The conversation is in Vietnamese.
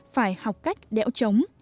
phải học cách đéo trống